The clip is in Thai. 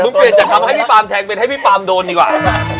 คุณเปลี่ยนจากคำให้พี่ฟาร์มแทงเป็นให้พี่ฟาร์มโดนดีกว่า